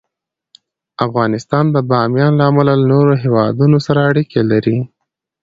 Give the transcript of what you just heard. افغانستان د بامیان له امله له نورو هېوادونو سره اړیکې لري.